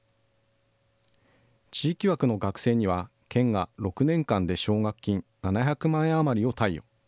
地域枠の学生には、県が６年間で奨学金７００万円余りを貸与。